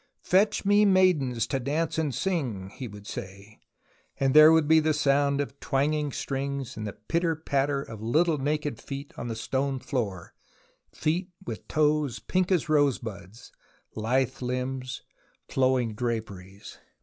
" Fetch me maidens to dance and sing," he would say, and there would be the sound of twanging strings and the pitter patter of little naked feet on the stone 186 THE ROMANCE OF EXCAVATION floor, feet with toes pink as rosebuds, lithe Hmbs, flowing draperies.